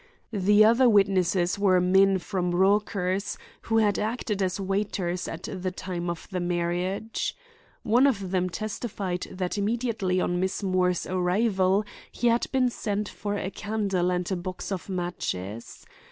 The other witnesses were men from Rauchers, who had acted as waiters at the time of the marriage. One of them testified that immediately on Miss Moore's arrival he had been sent for a candle and a box of matches.